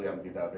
yang tidak beres